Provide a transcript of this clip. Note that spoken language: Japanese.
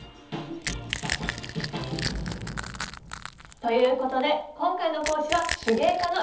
ということで今回の講師は手芸家の洋輔さんです。